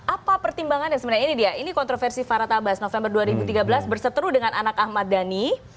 apa pertimbangan yang sebenarnya ini dia ini kontroversi farhat abbas november dua ribu tiga belas bersetuju dengan anak ahmad dhani